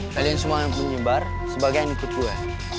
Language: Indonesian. kalian semua yang menyebar sebagian ikut gue